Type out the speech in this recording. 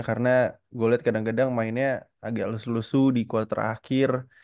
karena gue liat kadang kadang mainnya agak lus lusu di quarter akhir